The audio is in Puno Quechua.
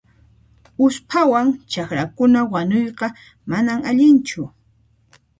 Usphawan chakrakuna wanuyqa manan allinchu.